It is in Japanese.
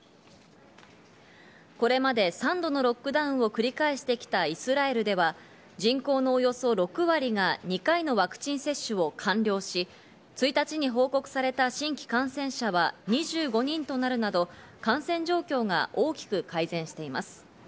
これまで３度のロックダウンを繰り返してきたイスラエルでは、人口のおよそ６割が２回のワクチン接種を完了し、１日に報告された新規感染者は２５人となるなど、感染状況が大きく改善しています。